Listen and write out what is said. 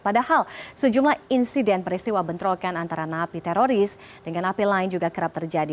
padahal sejumlah insiden peristiwa bentrokan antara napi teroris dengan napi lain juga kerap terjadi